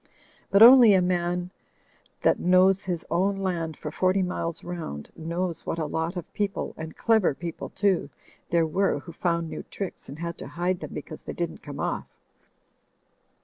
But only a man that knows his own land for forty miles rotmd, knows what a lot of people, and clever people too, there were who found new tricks, and had to hide them because they didn't come off.